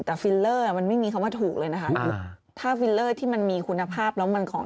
แต่ฟิลเลอร์มันไม่มีคำว่าถูกเลยนะครับถ้าหนักที่มันมีคุณภาพแล้วมันของแท้จริงจริง